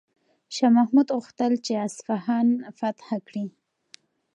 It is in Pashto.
شاه محمود غوښتل چې اصفهان فتح کړي.